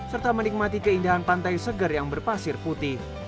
serta menikmati keindahan pantai seger yang berpasir putih